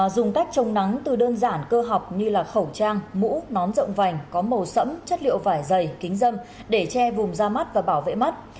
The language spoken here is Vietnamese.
dùng cách trồng nắng từ đơn giản cơ học như là khẩu trang mũ nón rộng vành có màu sẫm chất liệu vải dày kính dâm để che vùng ra mắt và bảo vệ mắt